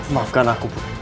maafkan aku putri